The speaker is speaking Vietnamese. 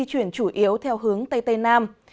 tuy yếu theo hướng tây tây nam